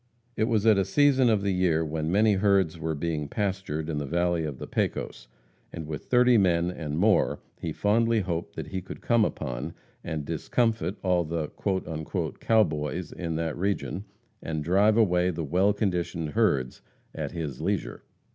It was at a season of the year when many herds were being pastured in the valley of the Pecos, and with thirty men and more he fondly hoped that he could come upon, and discomfit all the "cow boys" in that region, and drive away the well conditioned herds at his leisure.